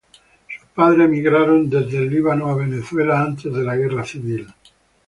Sus padres emigraron desde el Líbano a Venezuela antes de la Guerra civil.